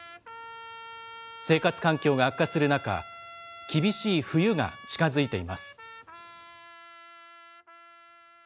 生活環境が悪化する中、厳しい冬が近づいています。